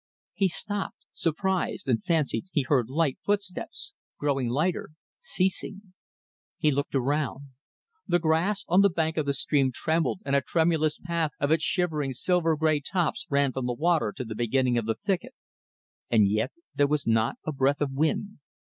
He stopped, surprised, and fancied he had heard light footsteps growing lighter ceasing. He looked around. The grass on the bank of the stream trembled and a tremulous path of its shivering, silver grey tops ran from the water to the beginning of the thicket. And yet there was not a breath of wind.